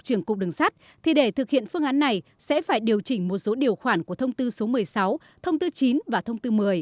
tổng công ty thực hiện phương án này sẽ phải điều chỉnh một số điều khoản của thông tư số một mươi sáu thông tư chín và thông tư một mươi